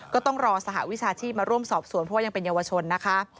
ก็ต้องรอสหวิชาชีพมาร่วมสอบสวนเพราะว่ายังเป็นเยาวชนนะคะ